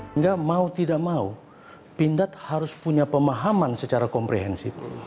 enggak mau tidak mau pindad harus punya pemahaman secara komprehensif